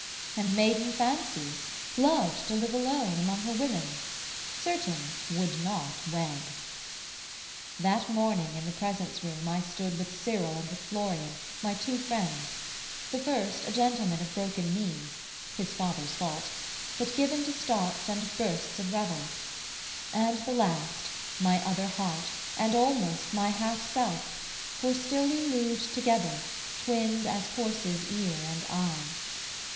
And maiden fancies; loved to live alone Among her women; certain, would not wed. That morning in the presence room I stood With Cyril and with Florian, my two friends: The first, a gentleman of broken means (His father's fault) but given to starts and bursts Of revel; and the last, my other heart, And almost my half self, for still we moved Together, twinned as horse's ear and eye.